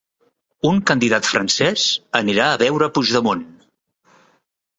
Un candidat francès anirà a veure a Puigdemont